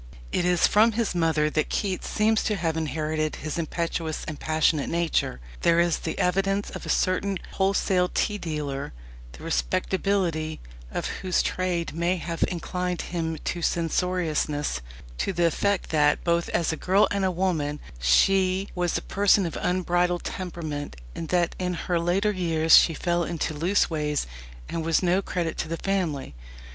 It is from his mother that Keats seems to have inherited his impetuous and passionate nature. There is the evidence of a certain wholesale tea dealer the respectability of whose trade may have inclined him to censoriousness to the effect that, both as girl and woman, she "was a person of unbridled temperament, and that in her later years she fell into loose ways, and was no credit to the family."